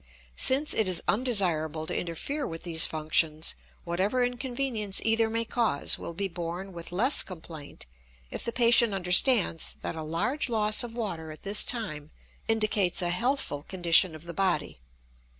Since it is undesirable to interfere with these functions, whatever inconvenience either may cause will be borne with less complaint if the patient understands that a large loss of water at this time indicates a healthful condition of the body.